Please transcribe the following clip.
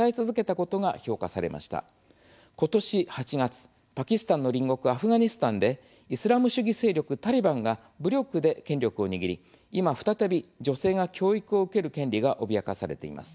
ことし８月パキスタンの隣国アフガニスタンでイスラム主義勢力タリバンが武力で権力を握り今、再び女性が教育を受ける権利が脅かされています。